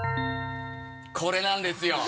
これなんですよ！